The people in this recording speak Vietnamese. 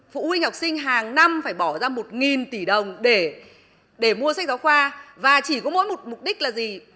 phụ huynh học sinh hàng năm phải bỏ ra một tỷ đồng để mua sách giáo khoa và chỉ có mỗi một mục đích là gì